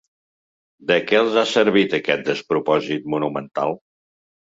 De què els ha servit aquest despropòsit monumental?